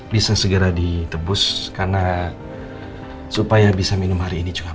bisa segera ditebus karena supaya bisa minum hari ini cuma